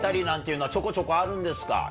なんていうのはちょこちょこあるんですか？